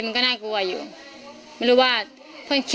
ถ้าใครอยากรู้ว่าลุงพลมีโปรแกรมทำอะไรที่ไหนยังไง